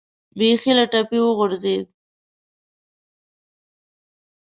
بیخي له ټپې وغورځېد.